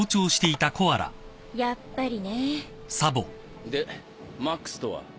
やっぱりね。でマックスとは？